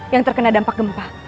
yang terkena dampak gempa